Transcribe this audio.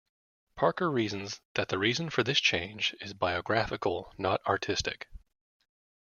Parker reasons that the reason for this change is biographical, not artistic.